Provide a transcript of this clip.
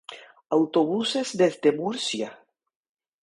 Autobuses desde Murcia.